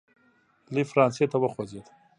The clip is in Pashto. لی فرانسې ته وخوځېد.